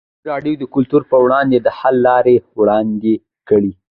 ازادي راډیو د کلتور پر وړاندې د حل لارې وړاندې کړي.